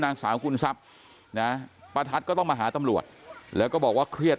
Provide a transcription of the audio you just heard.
นางสาวกุลทรัพย์นะประทัดก็ต้องมาหาตำรวจแล้วก็บอกว่าเครียด